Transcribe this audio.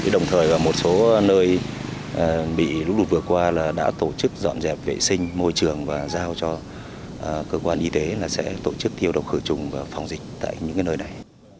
đồng thời một số nơi bị lúc lụt vừa qua đã tổ chức dọn dẹp vệ sinh môi trường và giao cho cơ quan y tế sẽ tổ chức thiêu độc khử trùng và phòng dịch tại những nơi này